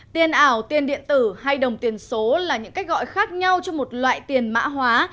tiền ảo tiền điện tử hay đồng tiền số là những cách gọi khác nhau cho một loại tiền mã hóa